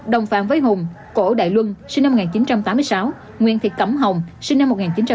đồng phạm với hùng cổ đại luân sinh năm một nghìn chín trăm tám mươi sáu nguyên thị cẩm hồng sinh năm một nghìn chín trăm chín mươi bốn